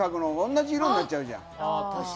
同じ色になっちゃうじゃん。